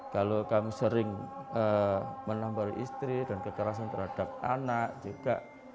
kalau kami sering menampar istri dan kekerasan terhadap anak juga